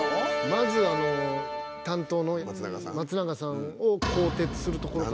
まずあの担当の松長さんを更迭するところから。